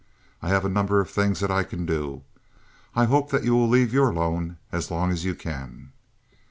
I have a number of things that I can do. I hope that you will leave your loan as long as you can."